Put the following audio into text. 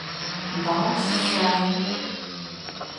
Balss sai